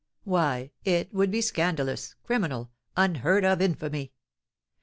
Why, it would be scandalous, criminal, unheard of infamy!